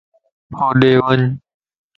ھوڏي وڃ